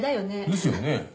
ですよね。